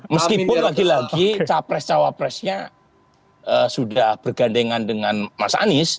meskipun lagi lagi capres cawapresnya sudah bergandengan dengan mas anies